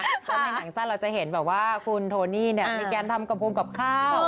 ถ้าในหนังสั้นเราจะเห็นแบบว่าคุณโทนี่มีการทำกระโพงกับข้าว